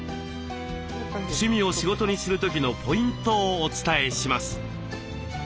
趣味を仕事にする時のポイントをお伝えします。